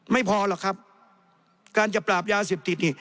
ไม่พอหรอกครับการจะปราบยาเสพติดนี่